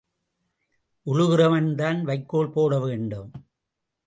உழுகிறவன்தான் வைக்கோல் போட வேண்டும்.